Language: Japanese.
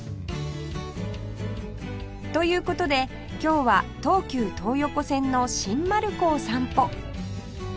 という事で今日は東急東横線の新丸子を散歩